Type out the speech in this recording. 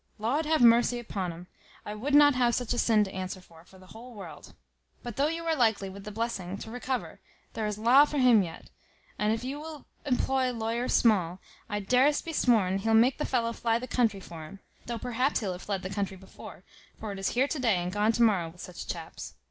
Laud have mercy upon 'um; I would not have such a sin to answer for, for the whole world. But though you are likely, with the blessing, to recover, there is laa for him yet; and if you will employ lawyer Small, I darest be sworn he'll make the fellow fly the country for him; though perhaps he'll have fled the country before; for it is here to day and gone to morrow with such chaps.